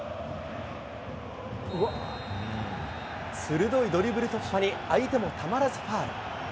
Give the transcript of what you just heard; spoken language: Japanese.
鋭いドリブル突破に相手もたまらずファウル。